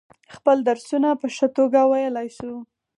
خپل درسونه په ښه توگه ویلای شو.